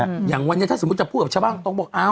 อย่างวันนี้ถ้าสมมติจะพูดกับชาวบ้านก็ต้องบอก